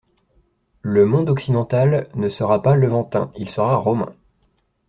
Le monde occidental ne sera pas Levantin, il sera Romain.